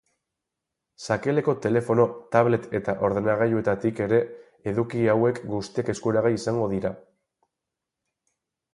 Sakeleko telefono, tablet eta ordenagailuetatik ere eduki hauek guztiak eskuragai izango dira.